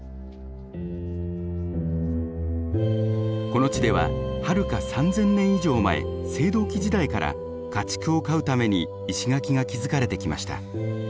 この地でははるか３，０００年以上前青銅器時代から家畜を飼うために石垣が築かれてきました。